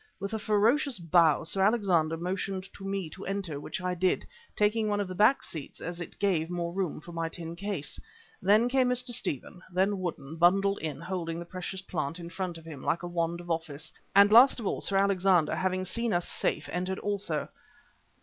With a ferocious bow Sir Alexander motioned to me to enter, which I did, taking one of the back seats as it gave more room for my tin case. Then came Mr. Stephen, then Woodden bundled in holding the precious plant in front of him like a wand of office, and last of all, Sir Alexander, having seen us safe, entered also.